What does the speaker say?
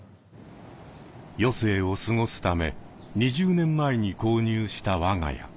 余生を過ごすため２０年前に購入した我が家。